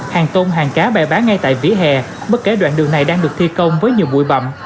hàng tôm hàng cá bè bán ngay tại vỉa hè bất kể đoạn đường này đang được thi công với nhiều bụi bậm